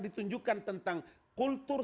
ditunjukkan tentang kultur